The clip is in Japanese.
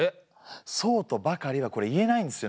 そうとばかりはこれ言えないんですよね。